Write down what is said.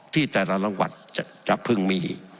ที่แต่ละจังหวัดจะพึ่งมี